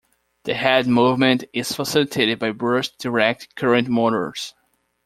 The head movement is facilitated by brushed direct-current motors.